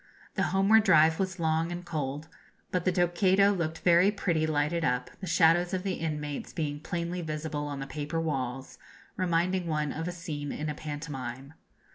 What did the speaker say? The homeward drive was long and cold; but the Tokaido looked very pretty lighted up, the shadows of the inmates being plainly visible on the paper walls, reminding one of a scene in a pantomime.